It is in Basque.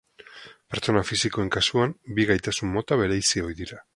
Pertsona fisikoen kasuan, bi gaitasun mota bereizi ohi dira.